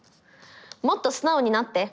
「もっと素直になって」。